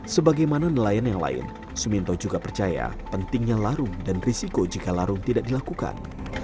sebagaimana nelayan yang lain suminto juga percaya pentingnya larung dan risiko jika larung tidak dilakukan